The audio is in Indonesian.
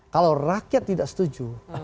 kalau rakyat tidak setuju